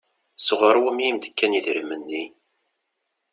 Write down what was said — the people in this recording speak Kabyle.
Sɣur wumi i m-d-kan idrimen-nni?